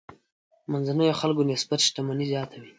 منځنيو خلکو نسبت شتمني زیاته وي.